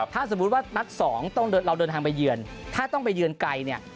ถ้าสมมุติว่านัดสองต้องเราเดินทางไปเยือนถ้าต้องไปเยือนไกลเนี่ย